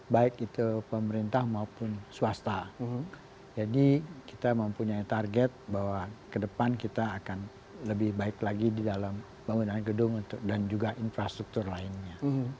baik itu pemerintah maupun swasta jadi kita mempunyai target bahwa ke depan kita akan lebih baik lagi di dalam bangunan gedung dan juga infrastruktur lainnya